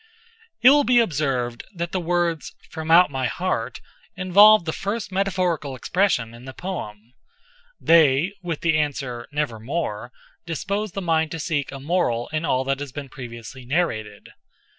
'"It will be observed that the words, "from out my heart," involve the first metaphorical expression in the poem. They, with the answer, "Nevermore," dispose the mind to seek a moral in all that has been previously narrated.